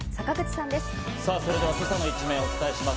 さぁそれでは今朝の一面をお伝えします。